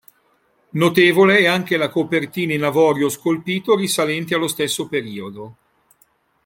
Notevole è anche la copertina in avorio scolpito risalente allo stesso periodo.